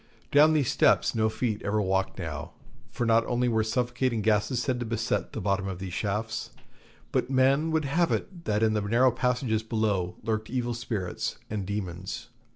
Down these steps no feet ever walked now, for not only were suffocating gases said to beset the bottom of the shafts, but men would have it that in the narrow passages below lurked evil spirits and demons.